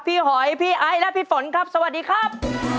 หอยพี่ไอ้และพี่ฝนครับสวัสดีครับ